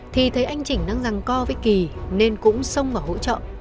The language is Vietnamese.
thì thấy anh chỉnh đang răng co với ki nên cũng xông vào hỗ trợ